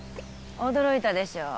驚いたでしょう？